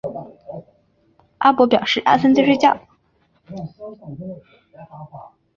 阿伯表示阿三在睡觉